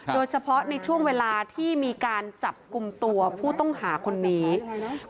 โดยเฉพาะในช่วงเวลาที่มีการจับกลุ่มตัวผู้ต้องหาคนนี้